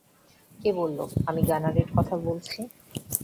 কে বললো আমি গানারের কথা বলছি?